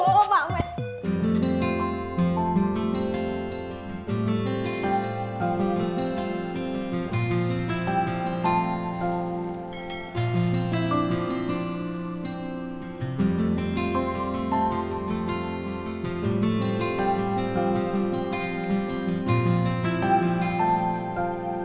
kamu kok gak bangunin aku sih